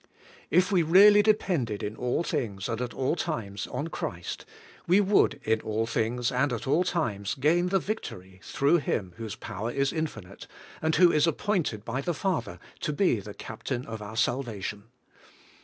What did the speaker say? If we really depended in all things and at all times on Christ, we would in all things and at all times gain the victory, through Him whose power is infinite, and who is appointed by the Father to be the Captain of our salvation.